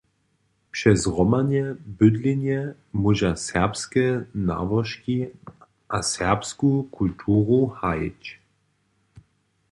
Přez zhromadne bydlenje móža serbske nałožki a serbsku kulturu hajić.